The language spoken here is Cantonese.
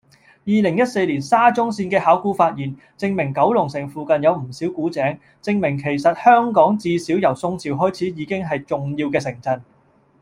二零一四年沙中線嘅考古發現，證明九龍城附近有唔少古井，證明其實香港至少由宋朝開始已經係重要嘅城鎮